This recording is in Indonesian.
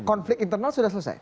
konflik internal sudah selesai